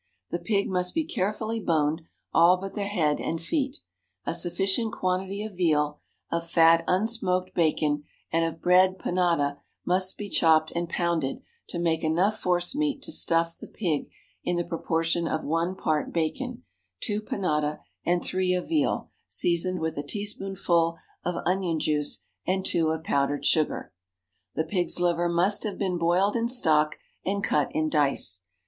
The pig must be carefully boned, all but the head and feet. A sufficient quantity of veal, of fat unsmoked bacon, and of bread panada must be chopped and pounded to make enough force meat to stuff the pig in the proportion of one part bacon, two panada, and three of veal, seasoned with a teaspoonful of onion juice and two of powdered sage. The pig's liver must have been boiled in stock, and cut in dice.